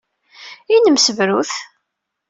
I nemsebrut?